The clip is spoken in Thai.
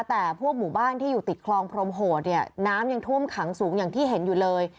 แต่พวกหมู่บ้านที่อยู่ติดคลองพรมโหดเนี่ยน้ำยังท่วมขังสูงอย่างที่เห็นอยู่เลย